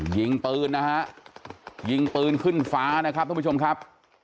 ยิงปืนนะฮะยิงปืนขึ้นฟ้านะครับทุกผู้ชมครับ